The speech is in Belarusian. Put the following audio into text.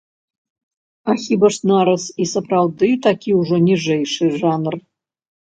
А хіба ж нарыс і сапраўды такі ўжо ніжэйшы жанр?